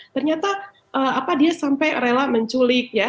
ternyata dia sampai rela menculik ya